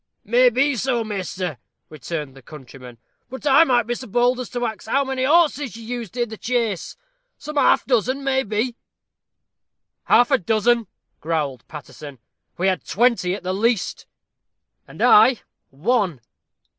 "May be so, measter," returned the countryman; "but might I be so bold as to ax how many horses you used i' the chase some half dozen, maybe?" "Half a dozen!" growled Paterson; "we had twenty at the least." "And I ONE!"